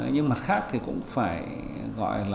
nhưng mặt khác thì cũng phải